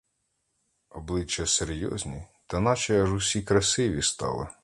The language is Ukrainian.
Обличчя серйозні та наче аж усі красиві стали.